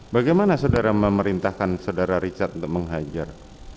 bagaimana saudara memerintahkan saudara richard untuk menghajar